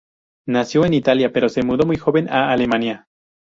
Nació en Italia pero se mudó muy joven a Alemania.